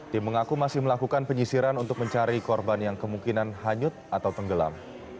tim mengaku masih melakukan penyisiran untuk mencari korban yang kemungkinan hanyut atau tenggelam